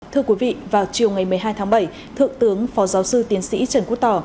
thưa quý vị vào chiều ngày một mươi hai tháng bảy thượng tướng phó giáo sư tiến sĩ trần quốc tỏ